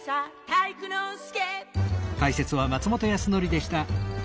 体育ノ介」